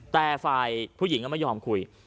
แต่ฝ่ายผู้หญิงก็ไม่ยอมคุย